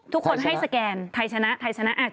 ทุกคนให้สแกนไทยชนะไทยชนะ